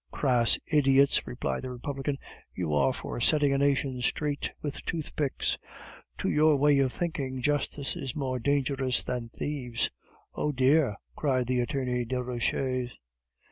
"Crass idiots!" replied the Republican, "you are for setting a nation straight with toothpicks. To your way of thinking, justice is more dangerous than thieves." "Oh, dear!" cried the attorney Deroches.